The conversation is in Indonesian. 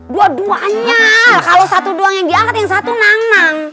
dua duanya kalau satu doang yang diangkat yang satu nang nang